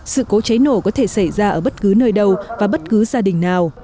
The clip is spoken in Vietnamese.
sự cố cháy nổ có thể xảy ra ở bất cứ nơi đâu và bất cứ gia đình nào